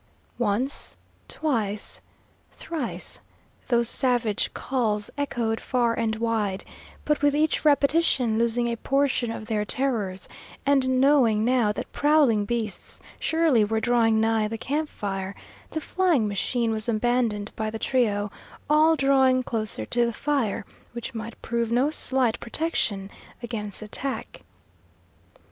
Once, twice, thrice those savage calls echoed far and wide, but with each repetition losing a portion of their terrors; and knowing now that prowling beasts surely were drawing nigh the camp fire, the flying machine was abandoned by the trio, all drawing closer to the fire, which might prove no slight protection against attack.